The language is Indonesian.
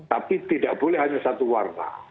tapi tidak boleh hanya satu warna